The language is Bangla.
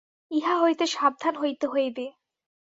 ইহা হইতে সাবধান হইতে হইবে।